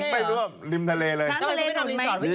หมายถึงว่าแบบ